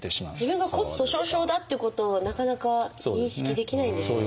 自分が骨粗しょう症だっていうことをなかなか認識できないんでしょうね。